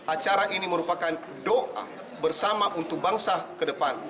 acara ini merupakan doa bersama untuk bangsa ke depan